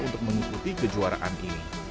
untuk mengikuti kejuaraan ini